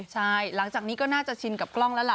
ใช่หลังจากนี้ก็น่าจะชินกับกล้องแล้วล่ะ